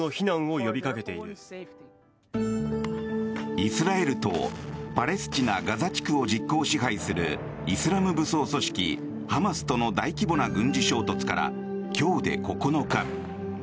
イスラエルとパレスチナ・ガザ地区を実効支配するイスラム武装組織ハマスとの大規模な軍事衝突から今日で９日。